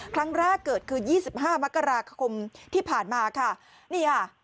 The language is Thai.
ครั้งแรกเกิดคือ๒๕มกราคมที่ผ่านมาค่ะนี่ค่ะ